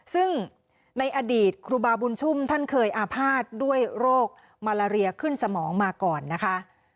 ซึ่งในอดีตครูบาบุญชุ่มท่านเคยอาภาษณ์ด้วยโรคมาลาเรียขึ้นสมองมาก่อนนะคะ